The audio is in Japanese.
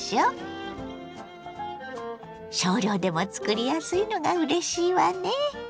少量でもつくりやすいのがうれしいわね。